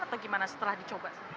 atau gimana setelah dicoba